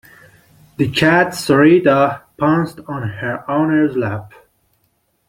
The cat Sarita pounced on her owner's lap.